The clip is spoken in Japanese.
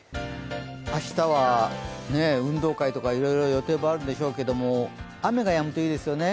明日は運動会とかいろいろ予定があるでしょうけど雨がやむといいですよね。